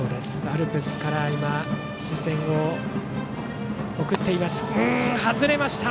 アルプスから今視線を送っていました。